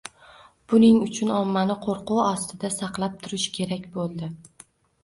Bu uchun ommani qo‘rquv ostida saqlab turish kerak bo‘ldi.